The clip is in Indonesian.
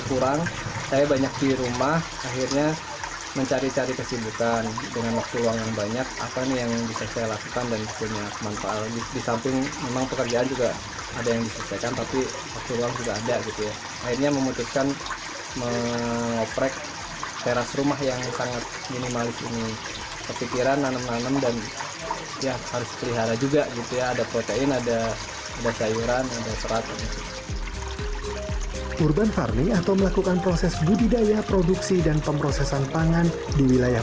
urban farming atau melakukan proses budidaya produksi dan pemrosesan pangan di wilayah